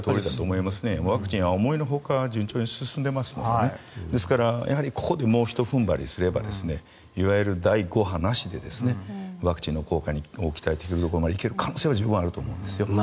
ワクチンは思いのほか順調に進んでいますのでですから、ここでもうひと踏ん張りすればいわゆる第５波なしでワクチンの効果に期待できるところまで行ける可能性は十分あると思います。